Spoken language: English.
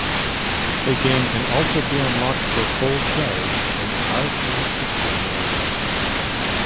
The game can also be unlocked for full play in Arcade History mode.